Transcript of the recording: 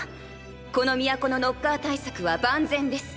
この都のノッカー対策は万全です。